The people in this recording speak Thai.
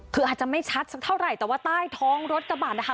คืออาจจะไม่ชัดสักเท่าไหร่แต่ว่าใต้ท้องรถกระบาดนะคะ